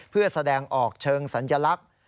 เพื่อแสดงออกเชิงสัญลักษณ์